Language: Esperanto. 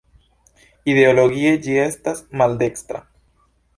Ideologie ĝi estas maldekstra.